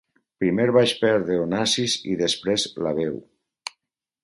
Primer vaig perdre Onassis i després, la veu.